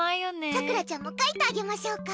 さくらちゃんも描いてあげましょうか。